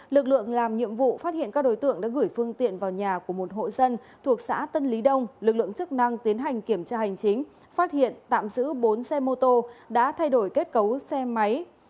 lực lượng làm nhiệm vụ phát hiện các đối tượng đã gửi phương tiện vào nhà của một hộ dân thuộc xã tân lý đông lực lượng chức năng tiến hành kiểm tra hành chính phát hiện tạm giữ bốn xe mô tô đã thay đổi kết cấu xe máy